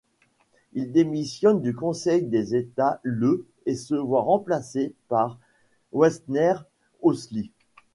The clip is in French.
Il démissionne du Conseil des États le et se voit remplacé par Werner Hösli.